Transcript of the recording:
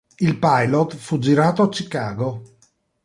Il pilot fu girato a Chicago.